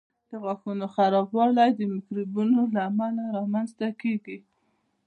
د غاښونو خرابوالی د میکروبونو له امله رامنځته کېږي.